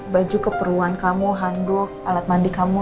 baju keperluan kamu handuk alat mandi kamu